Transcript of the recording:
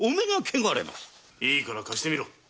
いいから貸してみろ！